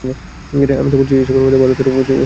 আমি তো বলেছিই এর মধ্যে ভারতের কোনো চাল আছে।